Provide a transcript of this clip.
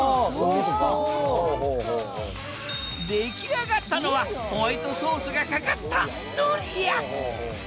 出来上がったのはホワイトソースがかかったドリア！